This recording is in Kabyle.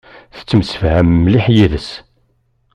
Tettemsefham mliḥ yid-s.